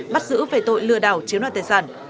bắt giữ về tội lừa đảo chiếm đoạt tài sản